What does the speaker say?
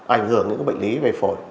ảnh hưởng những bệnh lý về phổi